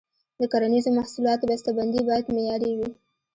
د کرنیزو محصولاتو بسته بندي باید معیاري وي.